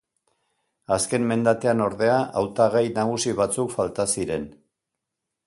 Azken mendatean, ordea, hautagai nagusi batzuk falta ziren.